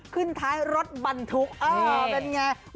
ขึ้นท้ายรถบรรทุกเป็นอย่างไร